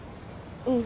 うん。